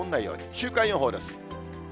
週間予報です。